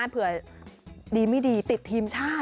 เผื่อดีไม่ดีติดทีมชาติ